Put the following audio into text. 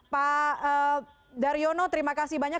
pak daryono terima kasih banyak